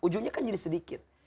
ujungnya kan jadi sedikit